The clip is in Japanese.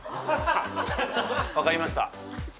分かりました。